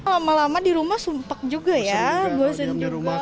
lama lama di rumah sumpak juga ya